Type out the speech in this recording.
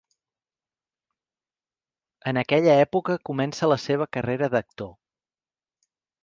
En aquella època comença la seva carrera d'actor.